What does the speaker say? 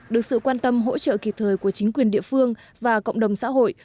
được sự quan tâm hỗ trợ kịp thời của chính quyền địa phương và cộng đồng xã hội